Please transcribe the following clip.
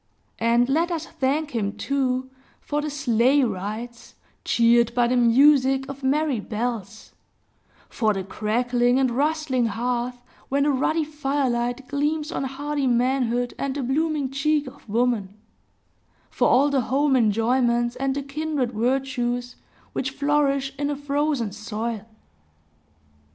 And let us thank him, too, for the sleigh rides, cheered by the music of merry bells; for the crackling and rustling hearth, when the ruddy firelight gleams on hardy Manhood and the blooming cheek of Woman; for all the home enjoyments, and the kindred virtues, which flourish in a frozen soil.